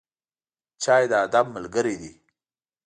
چای د ادب ملګری دی.